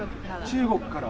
中国から？